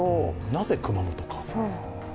なぜ熊本か。